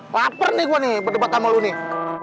laper nih gue nih berdebat sama lo nih